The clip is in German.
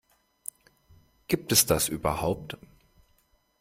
Gibt es das überhaupt?